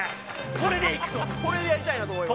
これでやりたいなと思います。